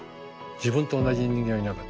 自分と同じ人間はいなかった。